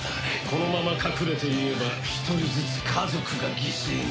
このまま隠れていれば１人ずつ家族が犠牲になるとな。